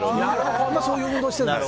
そういう運動をしているんです。